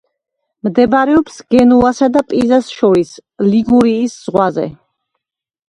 მდებარეობს გენუასა და პიზას შორის, ლიგურიის ზღვაზე.